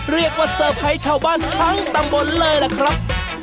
เรียกว่าเซอร์ไพรส์ชาวบ้านทั้งตำบลเลยล่ะครับ